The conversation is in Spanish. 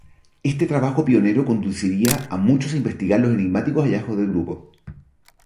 Este trabajo pionero conduciría a muchos a investigar los enigmáticos hallazgos del grupo.